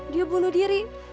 dia bunuh diri